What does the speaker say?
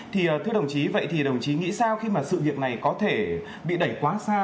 thì thưa đồng chí vậy thì đồng chí nghĩ sao khi mà sự việc này có thể bị đẩy quá xa